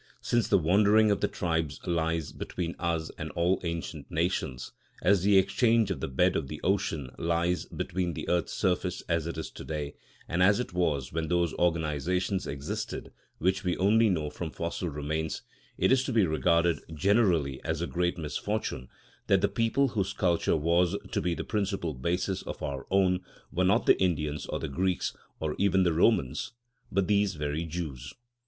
Since the wandering of the tribes lies between us and all ancient nations, as the change of the bed of the ocean lies between the earth's surface as it is to day and as it was when those organisations existed which we only know from fossil remains, it is to be regarded generally as a great misfortune that the people whose culture was to be the principal basis of our own were not the Indians or the Greeks, or even the Romans, but these very Jews.